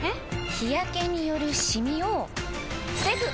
日やけによるシミを防ぐ！